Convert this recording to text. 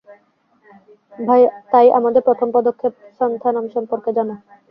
তাই আমাদের প্রথম পদক্ষেপ সান্থানাম সম্পর্কে জানা।